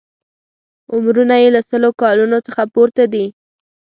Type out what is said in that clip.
عمرونه یې له سلو کالونو څخه پورته دي.